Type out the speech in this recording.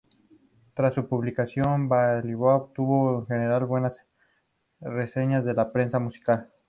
Tras su publicación, "Babilonia" obtuvo en general buenas reseñas de la prensa musical.